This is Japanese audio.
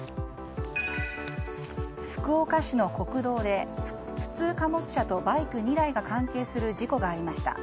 福岡市の国道で普通貨物車とバイク２台が関係する事故がありました。